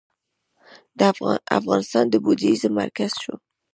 افغانستان د بودیزم مرکز شو